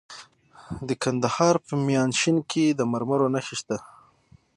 د کندهار په میانشین کې د مرمرو نښې شته.